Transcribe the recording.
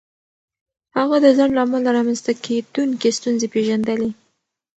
هغه د ځنډ له امله رامنځته کېدونکې ستونزې پېژندلې.